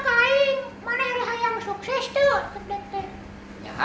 mana yang sukses tuh